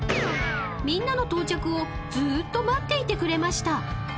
［みんなの到着をずっと待っていてくれました］